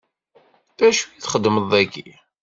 D acu i txeddmeḍ dagi?